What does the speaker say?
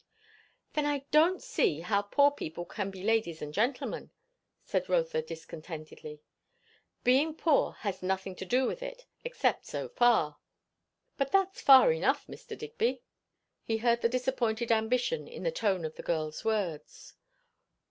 "Then I don't see how poor people can be ladies and gentlemen," said Rotha discontentedly. "Being poor has nothing to do with it, except so far." "But that's far enough, Mr. Digby." He heard the disappointed ambition in the tone of the girl's words.